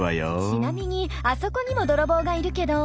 ちなみにあそこにも泥棒がいるけど。